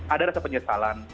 ada rasa penyesalan